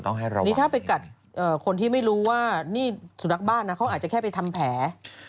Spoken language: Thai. นี่ถ้าไปกัดคนที่ไม่รู้ว่านี่สุนัขบ้านนะเขาอาจจะแค่ไปทำแผล